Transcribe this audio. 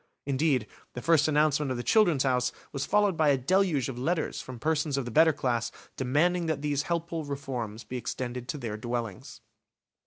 Indeed, the first announcement of the "Children's House" was followed by a deluge of letters from persons of the better class demanding that these helpful reforms be extended to their dwellings.